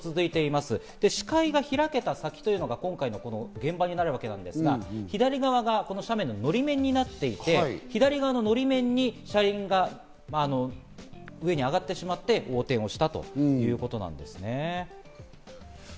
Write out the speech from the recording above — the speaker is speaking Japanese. そして視界が開けた先というのが今回の現場になるわけですが、左側が斜面ののり面になっていて、左側ののり面に車輪が上に上がってしまって横転をしたということなんですね。